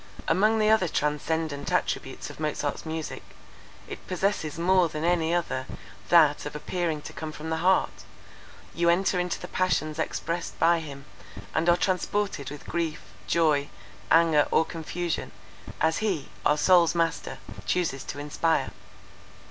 Among the other transcendant attributes of Mozart's music, it possesses more than any other that of appearing to come from the heart; you enter into the passions expressed by him, and are transported with grief, joy, anger, or confusion, as he, our soul's master, chooses to inspire.